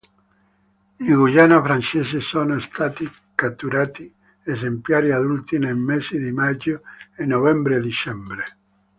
In Guyana francese sono stati catturati esemplari adulti nei mesi di maggio e novembre-dicembre.